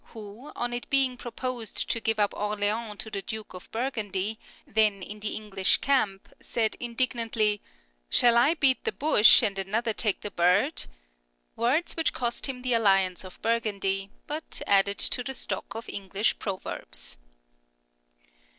who, on it being proposed to give up Orleans to the Duke of Bur gundy, then in the English camp, said indignantly, '" Shall I beat the bush, and another take the bird ?" words which cost him the alliance of Burgundy, but added to the stock of English proverbs.